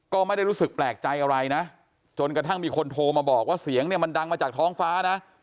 ก็ไม่ได้รู้สึกแปลกใจอะไรนะจนกระทั่งมีคนโทรมาบอกว่าเสียงเนี่ยมันดังมาจากท้องฟ้านะ